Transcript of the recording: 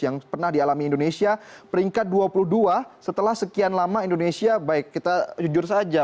yang pernah dialami indonesia peringkat dua puluh dua setelah sekian lama indonesia baik kita jujur saja